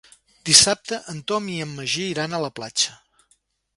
Dissabte en Tom i en Magí iran a la platja.